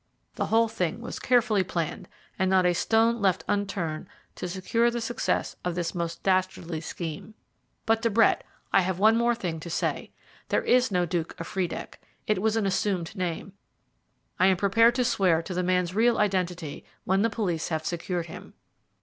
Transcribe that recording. "The whole thing was carefully planned, and not a stone left unturned to secure the success of this most dastardly scheme. But, De Brett, I have one thing more to say. There is no Duke of Friedeck: it was an assumed name. I am prepared to swear to the man's real identity when the police have secured him."